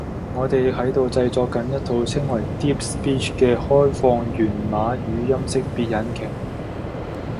我哋亦喺度製作緊一套稱為 Deep Speech 嘅開放源碼語音識別引擎